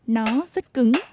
nó rất cứng